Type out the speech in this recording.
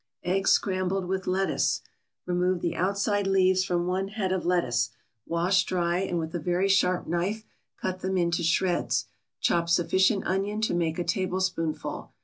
EGGS SCRAMBLED WITH LETTUCE Remove the outside leaves from one head of lettuce; wash, dry, and with a very sharp knife cut them into shreds. Chop sufficient onion to make a tablespoonful.